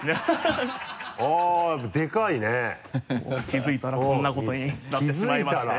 気付いたらこんなことになってしまいまして。